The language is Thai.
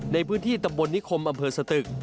ในพื้นที่ตำบลนิคมอำเภอสตึก